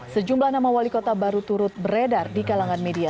sejumlah nama wali kota baru turut beredar di kalangan media